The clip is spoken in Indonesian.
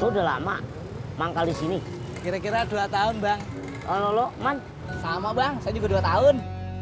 hai udah lama mangkal disini kira kira dua tahun bang lalu lo man sama bang saya juga dua tahun